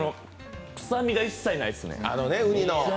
臭みが一切ないですね。